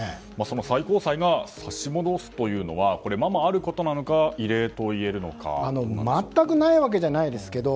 最高裁が差し戻すというのはまま、あることなのか全くないわけじゃないですけど